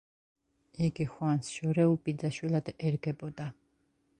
იგი ხუანს შორეულ ბიძაშვილად ერგებოდა.